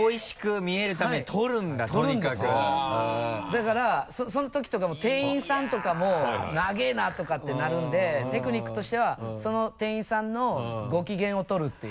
だからその時とかも店員さんとかも「長いな！」とかってなるんでテクニックとしてはその店員さんのご機嫌を取るっていう。